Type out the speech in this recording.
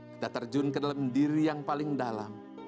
kita terjun ke dalam diri yang paling dalam